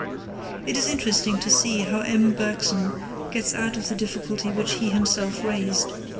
It is interesting to see how M. Bergson gets out of the difficulty which he himself raised.